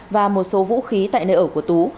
và một số vũ khí tại nơi ở của tú